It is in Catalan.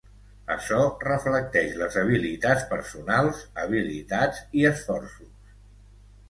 Açò reflecteix les habilitats personals, habilitats i esforços.